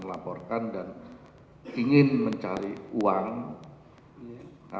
keluarga saudara saudara disebut